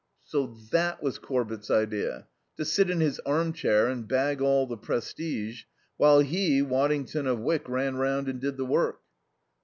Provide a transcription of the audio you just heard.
So that was Corbett's idea: to sit in his armchair and bag all the prestige, while he, Waddington of Wyck, ran round and did the work.